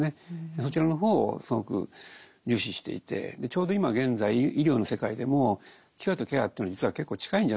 そちらの方をすごく重視していてちょうど今現在医療の世界でもキュアとケアってのは実は結構近いんじゃないかと。